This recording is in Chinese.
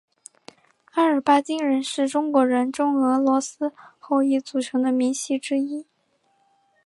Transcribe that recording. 阿尔巴津人是中国人中俄罗斯后裔组成的民系之一。